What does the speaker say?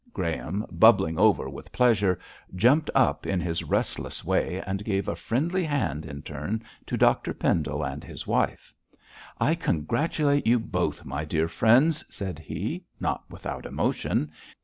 Graham, bubbling over with pleasure, jumped up in his restless way, and gave a friendly hand in turn to Dr Pendle and his wife. 'I congratulate you both, my dear friends,' said he, not without emotion.